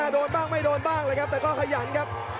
โดนบ้างไม่โดนบ้างเลยครับแต่ก็ขยันครับ